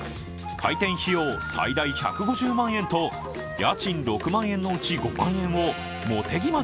開店費用、最大１５０万円と家賃６万円のうち５万円を茂木